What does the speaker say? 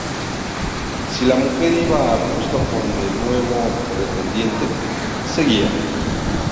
Si la mujer iba a gusto con el nuevo pretendiente, seguía.